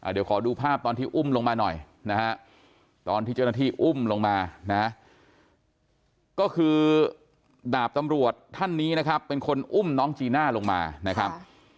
เดี๋ยวขอดูภาพตอนที่อุ้มลงมาหน่อยนะฮะตอนที่เจ้าหน้าที่อุ้มลงมานะก็คือดาบตำรวจท่านนี้นะครับเป็นคนอุ้มน้องจีน่าลงมานะครับ